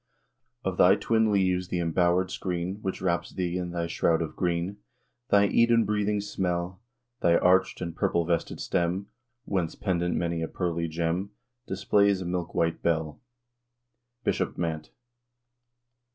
Of thy twin leaves the embowered screen, Which wraps thee in thy shroud of green; Thy Eden breathing smell; Thy arch'd and purple vested stem, Whence pendant many a pearly gem, Displays a milk white bell. _Bishop Mant.